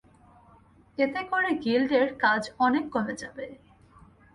এতে করে গিল্ডের কাজ অনেক কমে যাবে।